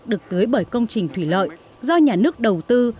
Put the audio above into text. được tưới bởi công trình thủy lợi do nhà nước đầu tư